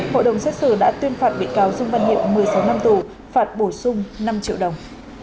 hội đồng xét xử đã tuyên phạt bị cáo dương văn hiệu một mươi sáu năm tù phạt bổ sung năm triệu đồng